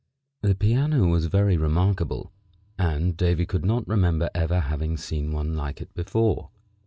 The piano was very remarkable, and Davy could not remember ever having seen one like it before.